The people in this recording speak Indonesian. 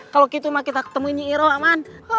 kalau begitu kita ketemu nyi iroh amin